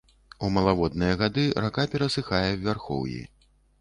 У малаводныя гады рака перасыхае ў вярхоўі.